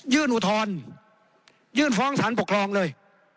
อุทธรณ์ยื่นฟ้องสารปกครองเลย